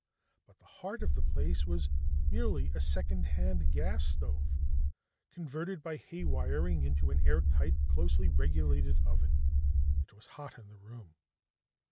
But the heart of the place was merely a second hand gas stove, converted by haywiring into an air tight, closely regulated oven. It was hot in the room.